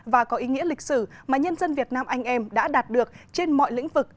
và có ý nghĩa lịch sử mà nhân dân việt nam anh em đã đạt được trên mọi lĩnh vực